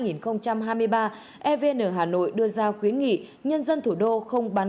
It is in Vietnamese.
evn hà nội đưa ra khuyến nghị nhân dân thủ đô không bán